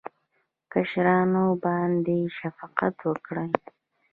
کشرانو باندې شفقت وکړئ